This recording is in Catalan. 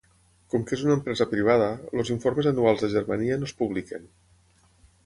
Com que és una empresa privada, els informes anuals de Germania no es publiquen.